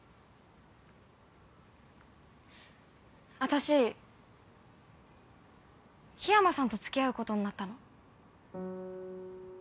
私緋山さんとつきあうことになったの。